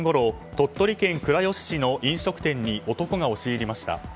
鳥取県倉吉市の飲食店に男が押し入りました。